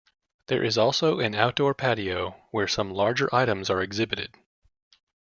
There is also an outdoor patio where some larger items are exhibited.